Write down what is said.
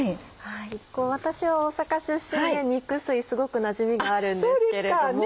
私は大阪出身で肉吸いすごくなじみがあるんですけれども。